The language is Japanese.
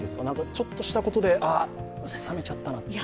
ちょっとしたことで、冷めちゃったなと。